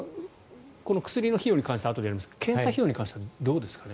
この薬の費用に関してはあとでやりますが検査費用に関してはどうですか？